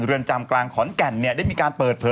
เรือนจำกลางขอนแก่นได้มีการเปิดเผย